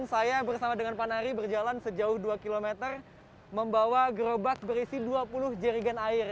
saya bersama dengan pak nari berjalan sejauh dua km membawa gerobak berisi dua puluh jerigen air